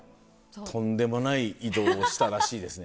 とんでもない移動をしたらしいですね。